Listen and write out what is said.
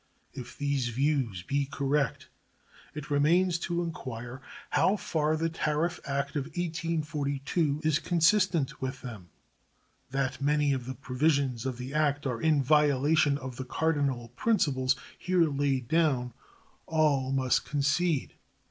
If these views be correct, it remains to inquire how far the tariff act of 1842 is consistent with them. That many of the provisions of that act are in violation of the cardinal principles here laid down all must concede.